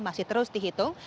masih terus dihitung